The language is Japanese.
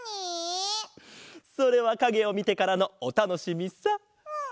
それはかげをみてからのおたのしみさ。